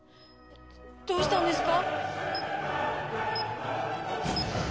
「どうしたんですか？」